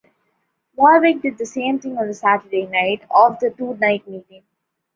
Warwick did the same thing on the Saturday night of the two night meeting.